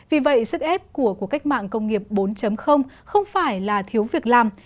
vì vậy sức ép của cuộc cách mạng công nghiệp bốn không phải là thiếu việc làm